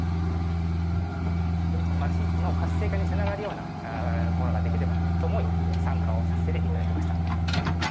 町の活性化につながるようなものができればと思い、参加をさせていただきました。